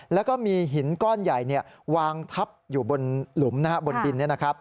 แล้วก็มีหินก้อนใหญ่วางทับอยู่บนหลุมบนดิน